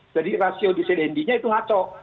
jadi rasio di cdnd nya itu ngaco